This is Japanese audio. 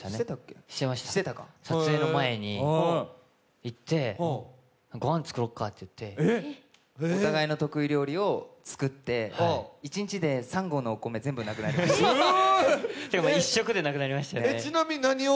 撮影の前に行って、ごはん作ろうかって言って、お互いの得意料理を作って、１日で３合のお米が１食でなくなりましたよね。